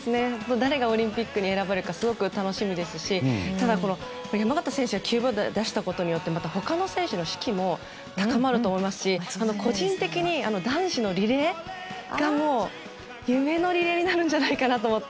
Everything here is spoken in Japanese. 誰がオリンピックに選ばれるかすごく楽しみですし山縣選手が９秒台を出したことによって他の選手の士気も高まると思いますし個人的に男子のリレーがもう夢のリレーになるんじゃないかと思って。